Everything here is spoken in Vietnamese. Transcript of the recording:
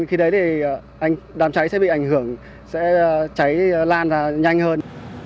khi đấy thì đám cháy sẽ bị ảnh hưởng sẽ cháy lan ra nhanh hơn